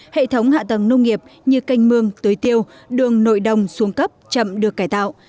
hệ thống hạ tầng nông nghiệp như canh mương tưới tiêu đường nội đồng xuống cấp chậm được cải tạo